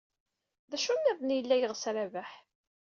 D acu niḍen ay yella yeɣs Rabaḥ?